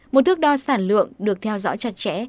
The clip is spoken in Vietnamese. một thước đo sản lượng được theo dõi chặt chẽ